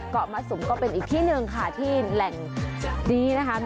เกาะมะสุมก็เป็นอีกที่หนึ่งค่ะที่แหล่งนี้นะคะ